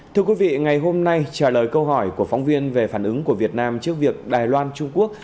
thưa quý vị ngày hôm nay trả lời câu hỏi của phóng viên về phản ứng của việt nam trước việc đài loan trung quốc